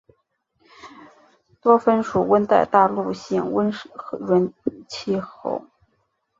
多芬属温带大陆性湿润气候。